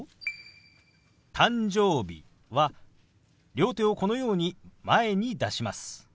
「誕生日」は両手をこのように前に出します。